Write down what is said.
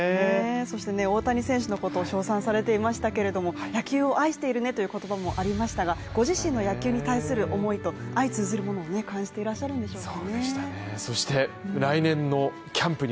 そして大谷選手のことを称賛されていましたけれども、野球を愛しているねという言葉もありましたが、ご自身の野球に対する思いと相通ずるものを感じてらっしゃるんでしょうね。